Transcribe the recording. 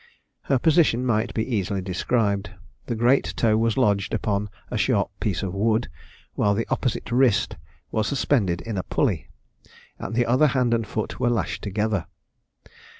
Her position might be easily described. The great toe was lodged upon a sharp piece of wood, while the opposite wrist was suspended in a pulley, and the other hand and foot were lashed together.